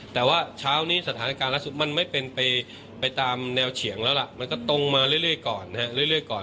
แต่ว่าเช้านี้สถานการณ์ล่าสุดมันไม่เป็นไปตามแนวเฉียงแล้วล่ะมันก็ตรงมาเรื่อยก่อนนะฮะเรื่อยก่อน